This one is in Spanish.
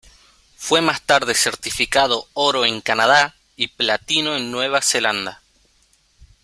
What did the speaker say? Fue más tarde certificado Oro en Canadá y Platino en Nueva Zelanda.